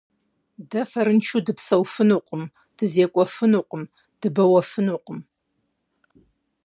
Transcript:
Дэ фэрыншэу дыпсэуфынукъым, дызекӀуэфынукъым, дыбэуэфынукъым.